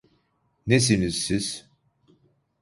Nesiniz siz?